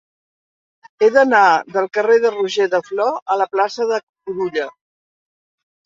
He d'anar del carrer de Roger de Flor a la plaça de Cucurulla.